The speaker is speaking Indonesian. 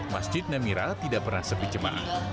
masjid namira tidak pernah sepi jemaah